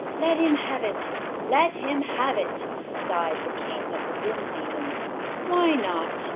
"Let him have it let him have it!" sighed the King of the Wind Demons. "Why not?"